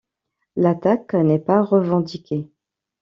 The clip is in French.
L'attaque n'est pas revendiquée.